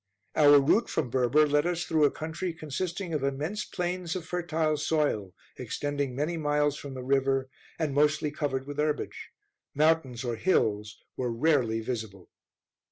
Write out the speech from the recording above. Our route from Berber led us through a country consisting of immense plains of fertile soil, extending many miles from the river, and mostly covered with herbage; mountains or hills were rarely visible.